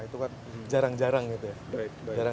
itu kan jarang jarang gitu ya